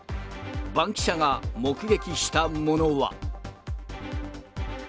バンキシャが目撃したものは。